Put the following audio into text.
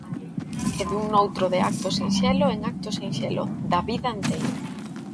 E dun noutro de acto sinxelo en acto sinxelo, da vida enteira.